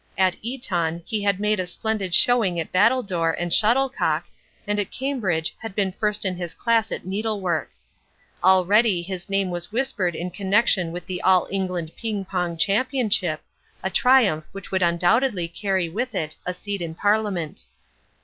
At Eton he had made a splendid showing at battledore and shuttlecock, and at Cambridge had been first in his class at needlework. Already his name was whispered in connection with the All England ping pong championship, a triumph which would undoubtedly carry with it a seat in Parliament.